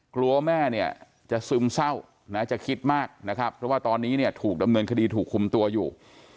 กลัวแม่เนี่ยจะซึมเศร้านะจะคิดมากนะครับเพราะว่าตอนนี้เนี่ยถูกดำเนินคดีถูกคุมตัวอยู่